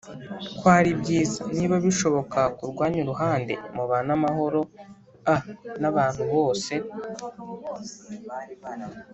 ko ari byiza Niba bishoboka ku rwanyu ruhande mubane amahoro a n abantu bose